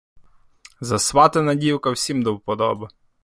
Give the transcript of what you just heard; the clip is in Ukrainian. Засватана дівка всім до вподоби.